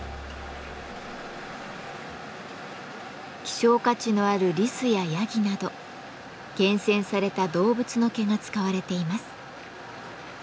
希少価値のあるリスやヤギなど厳選された動物の毛が使われています。